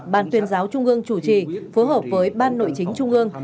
ban tuyên giáo trung ương chủ trì phối hợp với ban nội chính trung ương